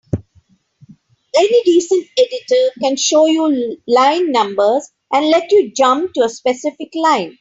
Any decent editor can show you line numbers and let you jump to a specific line.